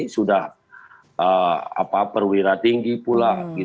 sudah perwira tinggi pula